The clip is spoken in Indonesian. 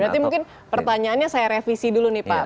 berarti mungkin pertanyaannya saya revisi dulu nih pak